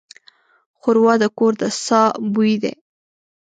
ښوروا د کور د ساه بوی دی.